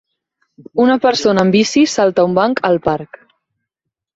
Una persona en bici salta un banc al parc.